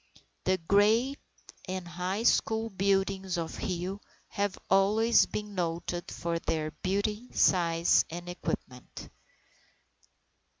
The grade and high school buildings of Rio have always been noted for their beauty, size, and equipment.